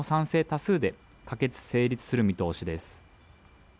多数で可決成立する見通しです